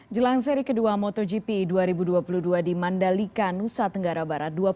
jelang seri kedua motogp dua ribu dua puluh dua di mandalika nusa tenggara barat